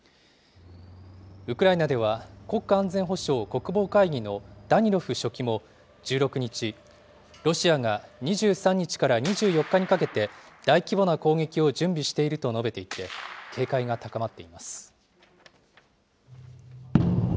ウクライナでは、国家安全保障・国防会議のダニロフ書記も１６日、ロシアが２３日から２４日にかけて、大規模な攻撃を準備していると述べていて、警戒が高まっています。